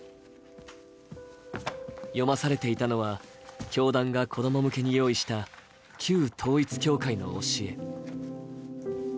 読まされていたのは、教団が子供向けに用意した旧統一教会の教え。